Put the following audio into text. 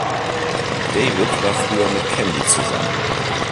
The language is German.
David war früher mit Candy zusammen.